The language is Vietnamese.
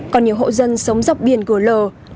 còn nhiều hộ dân sống dọc biển cửa lớn